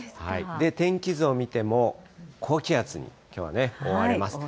天気図を見ても、高気圧にきょうは覆われます。